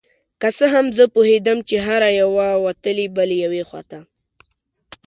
که څه هم زه پوهیدم چې هره یوه وتلې بلې یوې ته